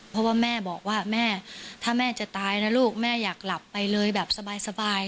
เพราะว่าแม่บอกว่าแม่ถ้าแม่จะตายนะลูกแม่อยากหลับไปเลยแบบสบาย